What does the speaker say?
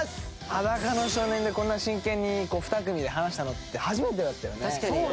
『裸の少年』でこんなに真剣に２組で話したのって初めてだったよね。